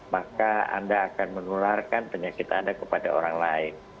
maka anda akan menularkan penyakit anda kepada orang lain